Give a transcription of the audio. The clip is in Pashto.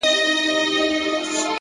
وخت د نه تکرارېدونکو شیبو نوم دی!